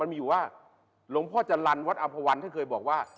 มันมีอยู่ว่าหลวงพ่อจันรรย์วัดอัมพวันที่เคยบอกว่า